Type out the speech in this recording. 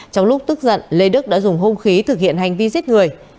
trong lúc tức giận lê đức đã dùng hung khí thực hiện hành vi giết người